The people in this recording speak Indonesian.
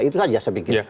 itu saja saya pikir